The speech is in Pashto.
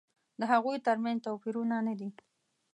د هغوی تر منځ توپیرونه نه دي.